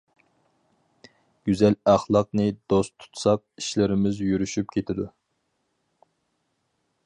گۈزەل ئەخلاقنى دوست تۇتساق ئىشلىرىمىز يۈرۈشۈپ كېتىدۇ.